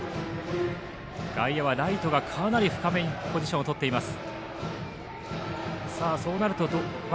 外野はライトがかなり深めにポジションをとっています。